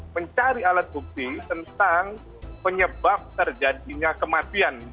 mencari alat bukti tentang penyebab terjadinya kematian